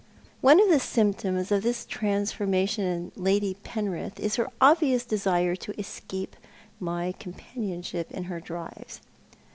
One of the symptoms of this transformation in Lady Penrith is her obvious desire to escape my companionship in her drives.